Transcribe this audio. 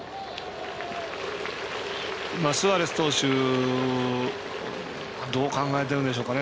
スアレス投手どう考えてるんでしょうかね。